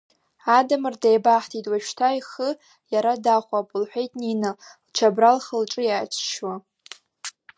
Адамыр деибаҳҭеит, уажәшьҭа ихы, иара дахәап, – лҳәеит Нина, лчабра лхы-лҿы иаҿшьуа.